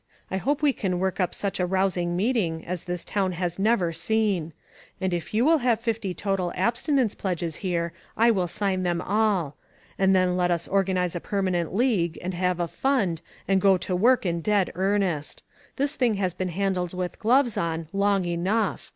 I hope we can work up such a rousing meeting as this town has never seen ; and if you will have fifty total absti nence pledges here, I will sign them all. And then let us organize a permanent league, and have a fund, and go to work in dead earnest. This thing has been han dled with gloves on long enough.